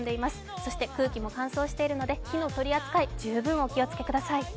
そして空気も乾燥しているので火の取り扱い、十分お気をつけください。